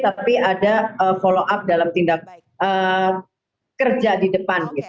tapi ada follow up dalam tindak kerja di depan